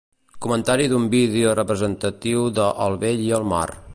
Comentari d'un vídeo representatiu de El vell i el mar.